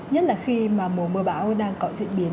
nhất là khi mà mùa mưa bão đang có diễn biến